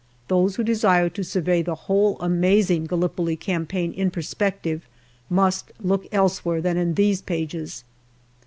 Those who desire to survey the whole amazing Gallipoli campaign in per spective must look elsewhere than in these pages.